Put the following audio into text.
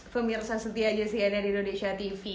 pemirsa setia jesyana di indonesia tv